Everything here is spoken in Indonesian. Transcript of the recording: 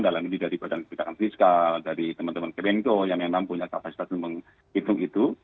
dalam ini dari badan kebijakan fiskal dari teman teman kemenko yang memang punya kapasitas untuk menghitung itu